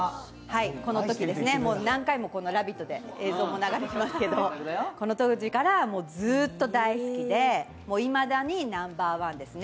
このときですね、何回も「ラヴィット！」で映像も流れましたけどこの当時からずっと大好きでいまだにナンバーワンですね。